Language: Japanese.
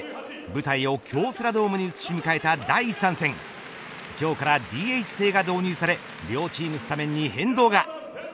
舞台を京セラドームに移し迎えた第３戦今日からＤＨ制が導入され両チームスタメンに変動が。